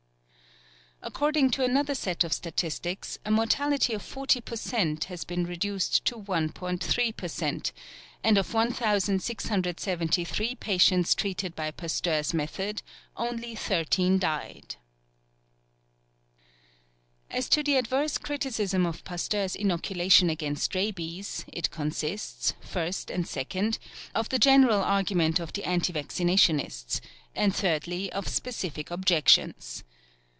According to another set of statistics, a mortality of 40 per cent. has been reduced to 1.3 per cent.; and of 1673 patients treated by Pasteur's method only thirteen died. As to the adverse criticism of Pasteur's inoculation against rabies, it consists, first and second, of the general argument of the anti vaccinationists, and thirdly, of specific objections.